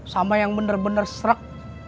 sama yang bener bener srek